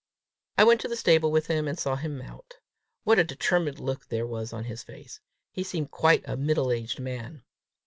I went to the stable with him, and saw him mount. What a determined look there was on his face! He seemed quite a middle aged man.